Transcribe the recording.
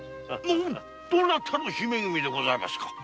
どなたの姫君でございますか？